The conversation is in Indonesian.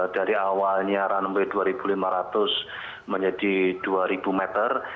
dari awalnya ranum b dua ribu lima ratus menjadi dua ribu meter